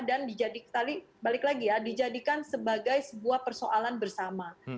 dan di jadikan sebagai sebuah persoalan bersama